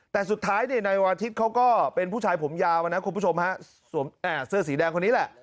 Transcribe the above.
แต่สุดท้ายเนี่ยนายวาทิศเขาก็เป็นผู้ชายผมยาวนะคุณผู้ชมฮะสวมเสื้อสีแดงคนนี้แหละ